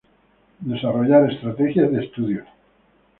Desarrollar estrategias de estudio.